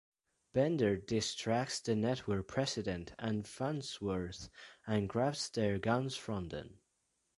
Bender distracts the network president and Farnsworth and grabs their guns from them.